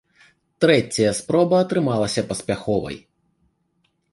Трэцяя спроба атрымалася паспяховай.